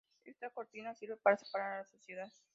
Esta cortina sirve para separar a la sociedad.